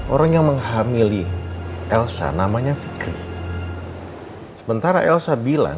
orang yang menghamili elsa namanya fikri sementara elsa bilang